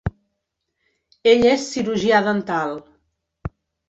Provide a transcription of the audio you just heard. Ell és cirurgià dental.